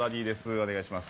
お願いします